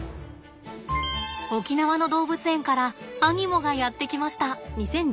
沖縄の動物園からアニモがやって来ました。